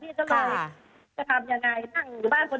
พี่ก็บอกว่าเอาเหอะถ้าหากว่าเรื่องนี้มันจริงไม่จริงก็ไม่รู้ล่ะ